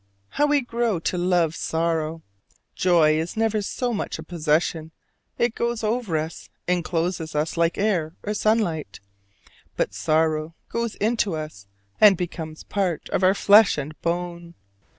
How we grow to love sorrow! Joy is never so much a possession it goes over us, incloses us like air or sunlight; but sorrow goes into us and becomes part of our flesh and bone.